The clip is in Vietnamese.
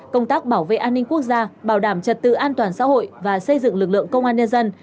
công tác bảo vệ an ninh quốc gia bảo đảm trật tự an toàn xã hội và xây dựng lực lượng công an nhân dân